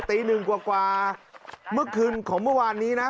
ตีหนึ่งกว่าเมื่อคืนของเมื่อวานนี้นะ